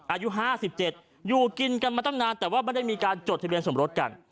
อายุห้าสิบเจ็ดอยู่กินกันมาตั้งนานแต่ว่าไม่ได้มีการจดทะเบียนซ่อมรถกัน